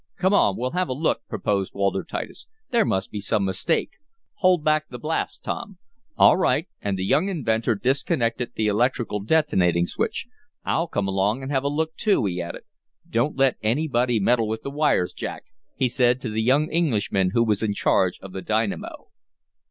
"Come on, we'll have a look," proposed Walter Titus. "There must be some mistake. Hold back the blast, Tom." "All right," and the young inventor disconnected the electrical detonating switch. "I'll come along and have a look too," he added. "Don't let anybody meddle with the wires, Jack," he said to the young Englishman who was in charge of the dynamo.